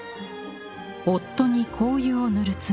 夫に香油を塗る妻。